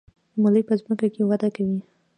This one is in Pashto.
ملی په ځمکه کې وده کوي